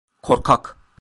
Korkak!